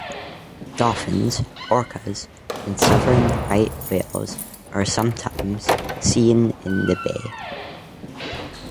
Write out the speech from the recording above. Dolphins, orcas, and southern right whales are sometimes seen in the bay.